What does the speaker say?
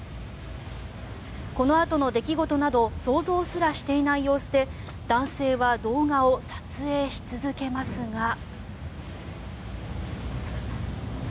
このあとの出来事など想像すらしていない様子で男性は動画を撮影し続けますが。